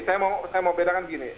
saya mau bedakan gini